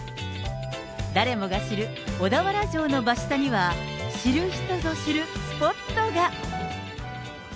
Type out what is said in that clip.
誰もが知る小田原城の真下には、知る人ぞ知るスポットが。